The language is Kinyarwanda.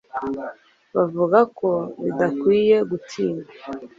buvuga ko ridakwiye gutinywa